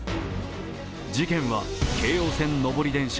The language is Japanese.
事件は京王線上り電車